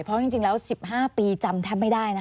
เพราะจริง๑๕ปีแล้วก็จำทำไม่ได้